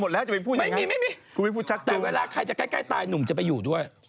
แต่เวลาใครจะใกล้ตายหนุ่มจะไปอยู่ด้วย